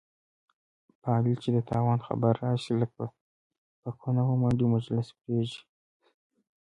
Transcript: په علي چې د تاوان خبره راشي، لکۍ په کونه ومنډي، مجلس پرېږدي.